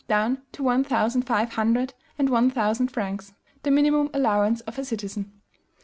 down to one thousand five hundred, and one thousand francs, the minimum allowance of a citizen.